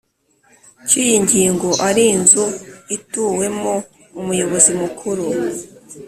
Cy iyi ngingo ari inzu ituwemo umuyobozi mukuru